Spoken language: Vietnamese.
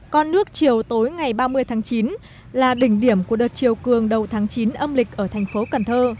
con nước chiều tối ngày ba mươi tháng chín là đỉnh điểm của đợt chiều cường đầu tháng chín âm lịch ở thành phố cần thơ